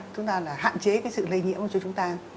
chúng ta là hạn chế cái sự lây nhiễm cho chúng ta